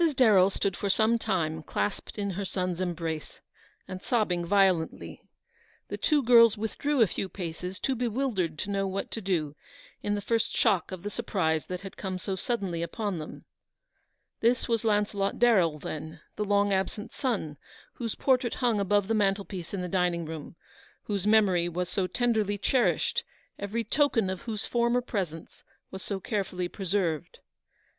Darrell stood for some time clasped in her son's embrace, and sobbing violently. The two girls withdrew a few paces, too bewildered to know what to do, in the first shock of the surprise that had come so suddenly upon them. This was Launcelot Darrell, then, the long absent son, whose portrait hung above the mantel piece in the dining room, whose memory was so tenderly cherished, every token of whose former presence was so carefully preserved.